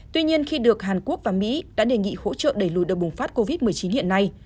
tuy nhiên khi được hàn quốc và mỹ đã đề nghị hỗ trợ đẩy lùi đợt bùng phát covid một mươi chín hiện nay